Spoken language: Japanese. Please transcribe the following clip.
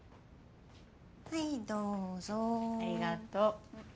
はいどうぞ。ありがと。